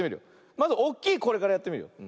まずおっきいこれからやってみるよ。